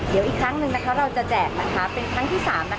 เดี๋ยวอีกครั้งหนึ่งนะคะเราจะแจกเป็นครั้งที่๓